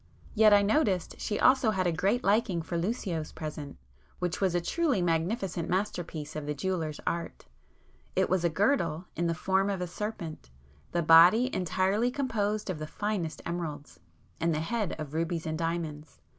Yet I noticed she also had a great liking for Lucio's present, which was a truly magnificent masterpiece of the jeweller's art. It was a girdle in the form of a serpent, the body entirely composed of the finest emeralds, and the head of rubies and diamonds.